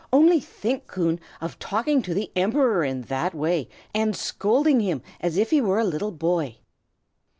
Only think, Coon, of talking to the Emperor in that way, and scolding him as if he were a little boy."